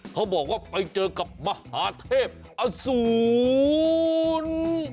เขาบอกว่าไปเจอกับมหาเทพอสูร